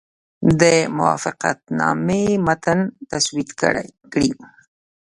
د موافقتنامې متن تسوید کړي.